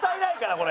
これ。